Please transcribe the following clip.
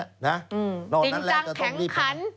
จริงจังแข็งขัน